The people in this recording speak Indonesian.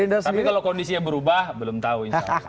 tapi kalau kondisinya berubah belum tahu